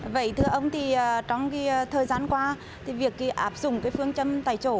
vậy thưa ông thì trong cái thời gian qua thì việc áp dụng cái phương châm tài chỗ